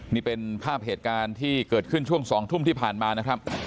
นี่เป็นภาพเหตุการณ์ที่เกิดขึ้นช่วง๒ทุ่มที่ผ่านมานะครับ